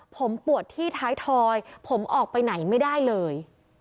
ผมปวดที่ท้ายทอยผมออกไปไหนไม่ได้เลย